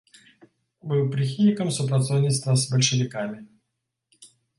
Быў прыхільнікам супрацоўніцтва з бальшавікамі.